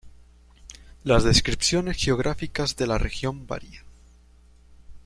Las descripciones geográficas de la región varían.